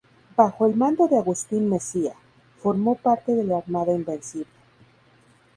Bajo el mando de Agustín Messía, formó parte de la Armada Invencible.